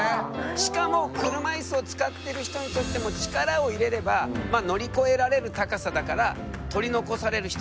しかも車いすを使ってる人にとっても力を入れればまあ乗り越えられる高さだからへえ。